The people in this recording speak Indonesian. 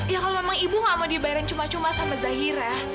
ya kalau memang ibu gak mau dibayarin cuma cuma sama zahira